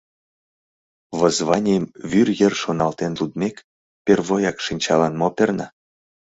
Воззванийым вуй йыр шоналтен лудмек, первояк шинчалан мо перна?